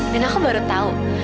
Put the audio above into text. dan aku baru tahu